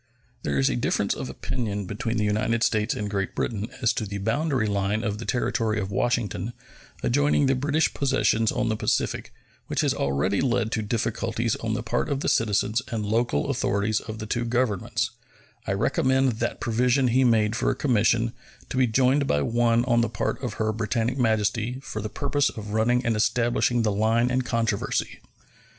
There is difference of opinion between the United States and Great Britain as to the boundary line of the Territory of Washington adjoining the British possessions on the Pacific, which has already led to difficulties on the part of the citizens and local authorities of the two Governments I recommend that provision he made for a commission, to be joined by one on the part of Her Britannic Majesty, for the purpose of running and establishing the line in controversy.